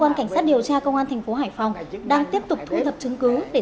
đang tiếp tục thu thập chứng cứ để xử lý đối tượng